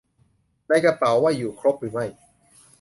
ในกระเป๋าว่าอยู่ครบหรือไม่